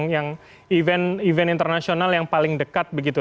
yang event internasional yang paling dekat begitu